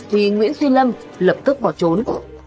thì nguyễn duy lâm lập tức bỏ trốn